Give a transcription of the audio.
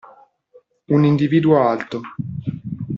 Un individuo alto.